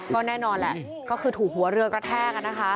ก็แน่นอนแหละก็คือถูกหัวเรือกระแทก